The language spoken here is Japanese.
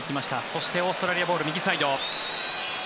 そしてオーストラリアボール右サイド。